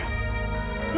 lu bisa ikutin dia